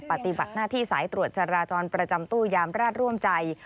ปฏิบัติหน้าที่สายตรวจจราจรประจำตู้ยามราชร่วมใจ